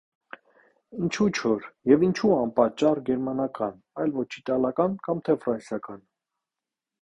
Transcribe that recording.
Ինչո՞ւ չոր և ինչո՞ւ անպատճառ գերմանական, այլ ոչ իտալական կամ թե ֆրանսիական: